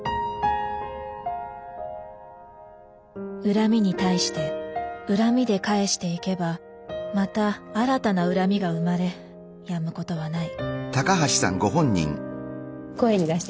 怨みに対して怨みで返していけばまた新たな怨みが生まれやむことはない。